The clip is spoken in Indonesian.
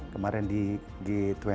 kemarin di g dua puluh